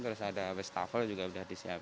terus ada waste towel juga sudah disiapkan